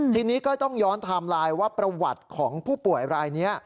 ทีนี้ก็ต้องย้อนไทม์ไลน์ว่าประวัติของผู้ป่วยรายนี้